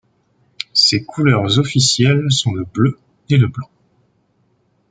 Ses couleurs officielles sont le bleu et blanc.